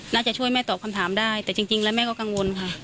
น่าจะช่วยแม่ตอบคำถามได้แต่จริงแล้วแม่ก็กังวลค่ะ